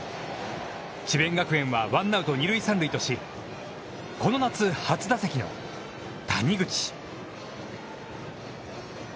智弁学園はワンアウト二塁三塁とし、この夏初打席の谷口。